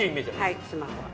はいスマホは。